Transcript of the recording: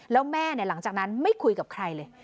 แล้วแม่หลังจากนั้นไม่คุยกับใครเลย